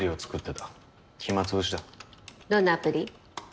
どんなアプリ？